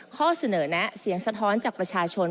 ข้อเสนอแนะเสียงสะท้อนจากประชาชน